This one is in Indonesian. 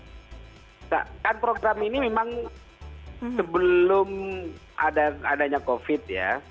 saya kira kalau sampai saat ini kan program ini memang sebelum adanya covid sembilan belas